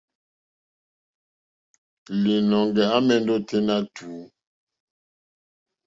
Līnɔ̄ŋgɛ̄ à mɛ̀ndɛ́ ôténá tùú.